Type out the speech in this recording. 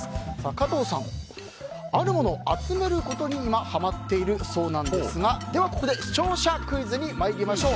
加藤さんあるものを集めることに今、ハマっているそうなんですがここで視聴者クイズに参りましょう。